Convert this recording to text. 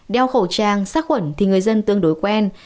đeo khẩu trang sát khuẩn thì người dân tương đối quen